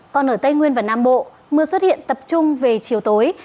còn ở tây nguyên và nam bộ mưa xuất hiện tập trung về chiều tối